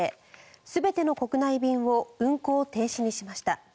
全ての国内便を運航停止にしました。